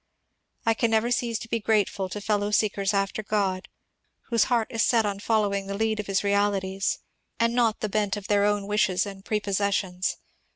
I can never cease to be grateful to feUow seekers after (rod, whose heart is set on following the lead of his realities, and not the bent of their own wishes and prepossessions.